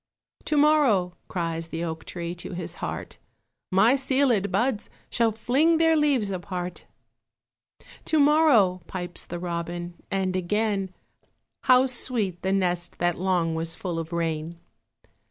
To morrow! cries the oak tree To his heart, My sealèd buds shall fling Their leaves apart. To morrow! pipes the robin, And again How sweet the nest that long Was full of rain.